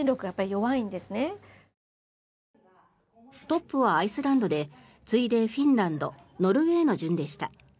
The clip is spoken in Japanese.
トップはアイスランドで次いでフィンランドノルウェーの順でした。